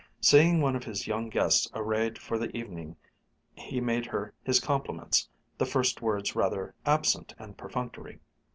Seeing one of his young guests arrayed for the evening he made her his compliments, the first words rather absent and perfunctory.